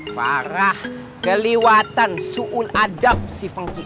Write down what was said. farah keliwatan su'un adab si funky